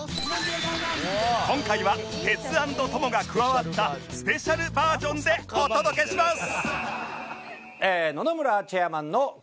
今回はテツ ａｎｄ トモが加わったスペシャルバージョンでお届けします